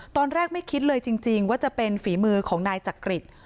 ตอนแรกไม่คิดเลยจริงว่าจะเป็นฝีมือของนายจักริต